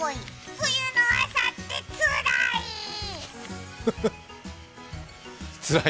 冬の朝ってつらい。